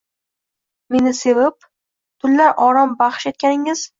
Meni sevib, tunlar orom baxsh etganingiz